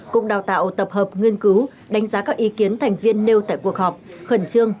cục đào tạo tập hợp nghiên cứu đánh giá các ý kiến thành viên nêu tại cuộc họp khẩn trương